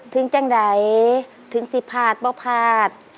ถึงจังใดถึงสิผ่านบ้าผ่าน